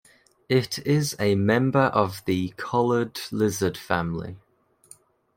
It is a member of the collared lizard family.